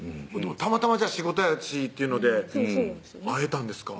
たまたま仕事やしっていうので会えたんですか